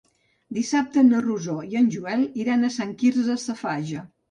Dissabte na Rosó i en Joel iran a Sant Quirze Safaja.